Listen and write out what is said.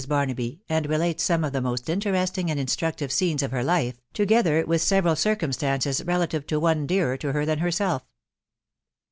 BARNABY, AND RELATES SOME OF THE MOST INTEREST ING AND INSTRUCTIVE SCENES OF HER LIFE, TOGETHER WITH SEVERAL CIRCUMSTANCES RELATIVE TO ONE DEARER TO HER THAN HERSELF.